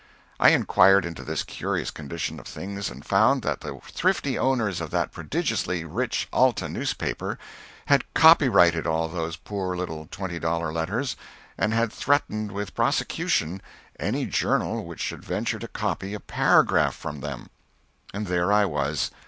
I inquired into this curious condition of things and found that the thrifty owners of that prodigiously rich "Alta" newspaper had copyrighted all those poor little twenty dollar letters, and had threatened with prosecution any journal which should venture to copy a paragraph from them! And there I was!